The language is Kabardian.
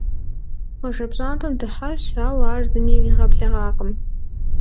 Хъуэжэ пщӀантӀэм дыхьащ, ауэ ар зыми иригъэблэгъакъым.